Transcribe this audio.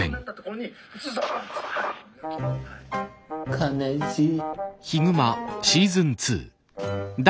悲しい。